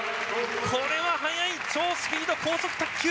これは早い超スピード高速卓球。